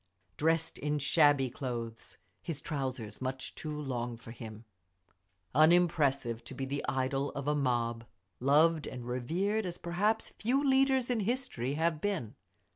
Dressed in shabby clothes, his trousers much too long for him. Unimpressive, to be the idol of a mob, loved and revered as perhaps few leaders in history have been.